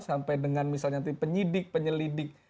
sampai dengan misalnya nanti penyidik penyelidik